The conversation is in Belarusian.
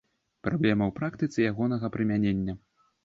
Праблема ў практыцы ягонага прымянення.